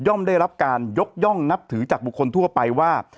ได้รับการยกย่องนับถือจากบุคคลทั่วไปว่า